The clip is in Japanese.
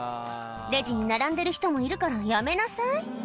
レジに並んでる人もいるからやめなさい。